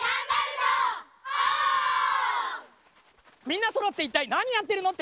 みんなそろっていったいなにやってるの？